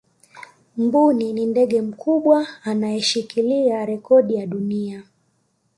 mbuni ni ndege mkubwa anayeshikilia rekodi ya dunia